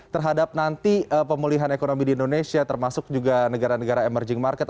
terhadap nanti pemulihan ekonomi di indonesia termasuk juga negara negara emerging market